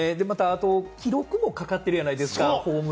あと記録もかかってるじゃないですか。